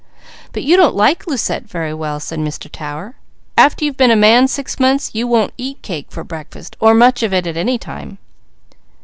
"But you don't like Lucette very well," said Mr. Tower. "After you've been a man six months, you won't eat cake for breakfast; or much of it at any time."